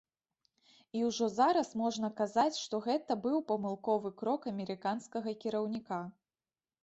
І ўжо зараз можна казаць, што гэта быў памылковы крок амерыканскага кіраўніка.